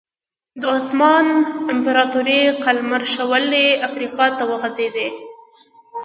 د عثماني امپراتورۍ قلمرو شولې افریقا ته وغځېد.